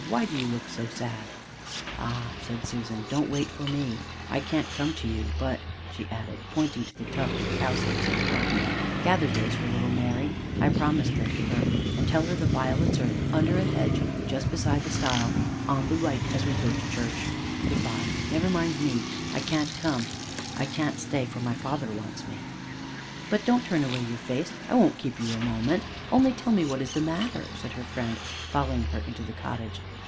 Why do you look so sad?" "Ah!" said Susan, "don't wait for me; I can't come to you, but," she added, pointing to the tuft of cowslips in the garden, "gather those for little Mary; I promised them to her, and tell her the violets are under a hedge just beside the stile, on the right as we go to church. Good by! never mind me; I can't come I can't stay, for my father wants me." "But don't turn away your face; I won't keep you a moment; only tell me what is the matter," said her friend, following her into the cottage.